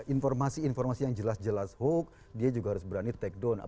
informasi informasi yang jelas jelas hoax dia juga harus berani take down